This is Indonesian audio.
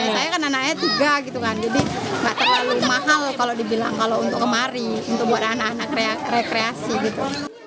saya kan anaknya tiga gitu kan jadi nggak terlalu mahal kalau dibilang kalau untuk kemari untuk buat anak anak rekreasi gitu